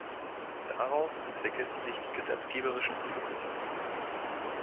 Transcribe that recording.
Daraus entwickelten sich die gesetzgeberischen Befugnisse.